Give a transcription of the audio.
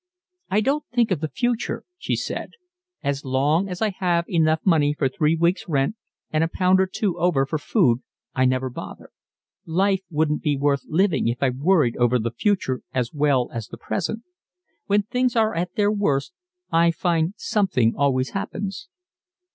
"I don't think of the future," she said. "As long as I have enough money for three weeks' rent and a pound or two over for food I never bother. Life wouldn't be worth living if I worried over the future as well as the present. When things are at their worst I find something always happens."